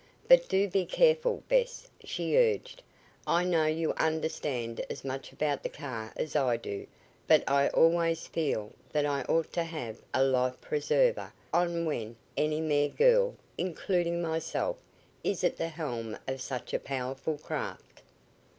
"But do be careful, Bess," she urged. "I know you understand as much about the car as I do, but I always feel that I ought to have a life preserver on when any mere girl including myself is at the helm of such a powerful craft."